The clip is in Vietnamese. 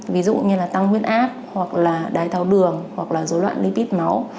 ví dụ như tăng huyết áp đái thao đường dối loạn lipid máu